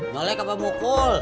nyolek apa mukul